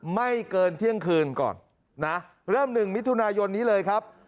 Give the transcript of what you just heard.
ไม่เกินเที่ยงคืนก่อนนะเริ่มหนึ่งมิถุนายนนี้เลยครับ